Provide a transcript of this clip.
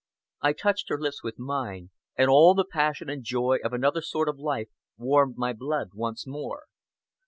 I touched her lips with mine and all the passion and joy of another sort of life warmed my blood once more.